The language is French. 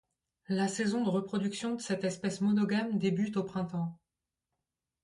La saison de reproduction de cette espèce monogame débute au printemps.